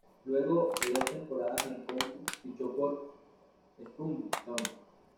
Luego de dos temporadas en County, fichó por Shrewsbury Town.